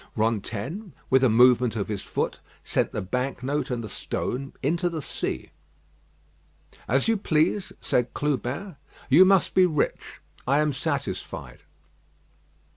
Rantaine, with a movement of his foot, sent the bank note and the stone into the sea. "As you please," said Clubin. "You must be rich. I am satisfied."